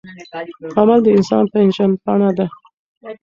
عمل د انسان پیژندپاڼه ده.